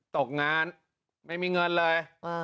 ตกงานไม่มีเงินเลย